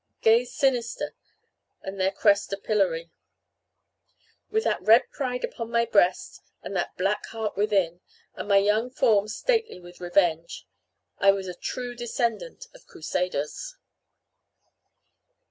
Gaze sinister, and their crest a pillory. With that red pride upon my breast, and that black heart within, and my young form stately with revenge, I was a true descendant of Crusaders.